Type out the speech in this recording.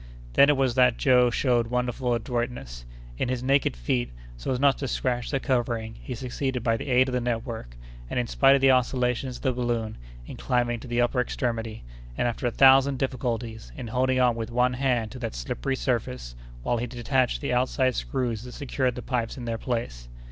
Then it was that Joe showed wonderful adroitness. In his naked feet, so as not to scratch the covering, he succeeded by the aid of the network, and in spite of the oscillations of the balloon, in climbing to the upper extremity, and after a thousand difficulties, in holding on with one hand to that slippery surface, while he detached the outside screws that secured the pipes in their place.